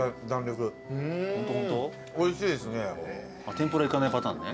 天ぷらいかないパターンね。